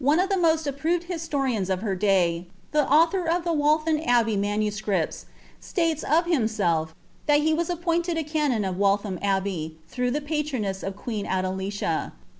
of the most approved historians of her day, the author of the am Abbey Manuscripts,' states of himself, that he was appointed a of Waltham Abbey, through the patronage of queen Adelicia.